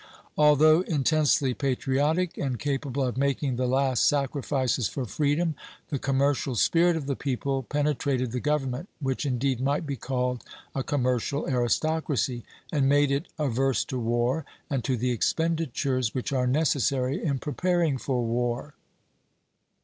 Although intensely patriotic, and capable of making the last sacrifices for freedom, the commercial spirit of the people penetrated the government, which indeed might be called a commercial aristocracy, and made it averse to war, and to the expenditures which are necessary in preparing for war.